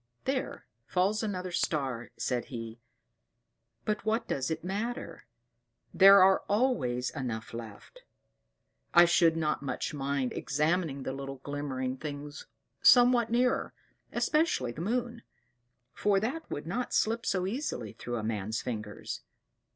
"There falls another star," said he: "but what does it matter; there are always enough left. I should not much mind examining the little glimmering things somewhat nearer, especially the moon; for that would not slip so easily through a man's fingers.